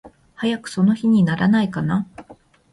早くその日にならないかな。